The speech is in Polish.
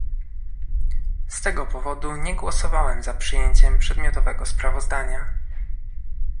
Z tego powodu nie głosowałem za przyjęciem przedmiotowego sprawozdania